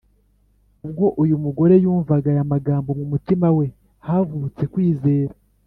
Ubwo uyu mugore yumvaga aya magambo, mu mutima we havutse kwizera.